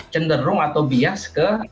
cenderung atau bias ke